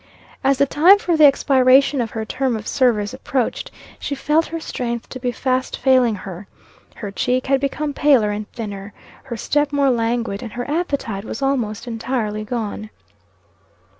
As the time for the expiration of her term of service approached, she felt her strength to be fast failing her. Her cheek had become paler and thinner, her step more languid, and her appetite was almost entirely gone.